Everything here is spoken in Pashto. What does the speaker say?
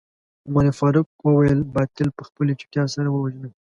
عمر فاروق وويل باطل په خپلې چوپتيا سره ووژنئ.